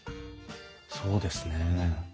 そうですね。